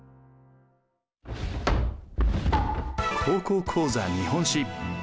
「高校講座日本史」。